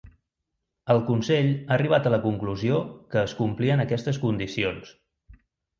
El Consell ha arribat a la conclusió que es complien aquestes condicions.